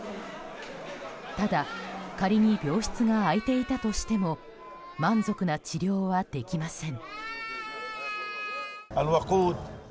ただ、仮に病室が開いていたとしても満足な治療はできません。